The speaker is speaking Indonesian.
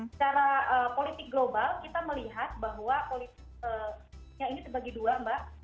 secara politik global kita melihat bahwa politiknya ini terbagi dua mbak